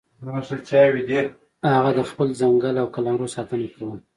هغه د خپل ځنګل او قلمرو ساتنه کوله.